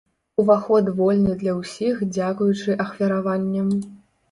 Уваход вольны для ўсіх дзякуючы ахвяраванням.